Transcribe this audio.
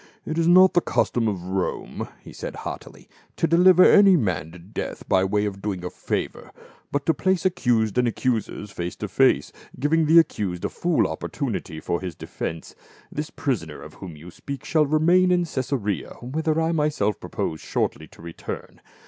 " It is not the custom of Rome," he said haughtily, "to de liver any man to death by way of doing a favor ; but to place accused and accusers face to face, giving the accused a full opportunity for his defense. This "CJSSAEEM APPELL ."' 417 prisoner of whom you speak shall remain in Caesarea, whither I myself propose shortly to return.